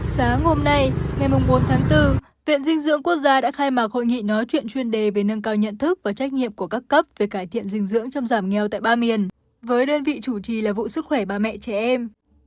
sáng hôm nay ngày bốn tháng bốn viện dinh dưỡng quốc gia đã khai mạc hội nghị nói chuyện chuyên đề về nâng cao nhận thức và trách nhiệm của các cấp về cải thiện dinh dưỡng trong giảm nghèo tại ba miền với đơn vị chủ trì là vụ sức khỏe bà mẹ trẻ em